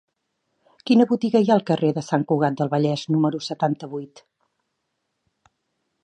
Quina botiga hi ha al carrer de Sant Cugat del Vallès número setanta-vuit?